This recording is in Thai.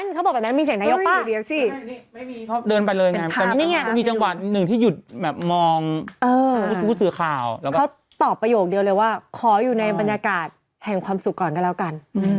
เค้าตอบประโยคเดียวเลยว่าคออยู่ในบรรยากาศแห่งความสุขก่อนก็แล้วกัน